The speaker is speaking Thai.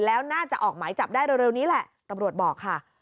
แล้วน่าจะออกหมายจับได้เร็วนี้แหละตำรวจบอกค่ะ